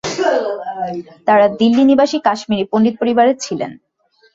তারা দিল্লি নিবাসী কাশ্মীরি পণ্ডিত পরিবারের ছিলেন।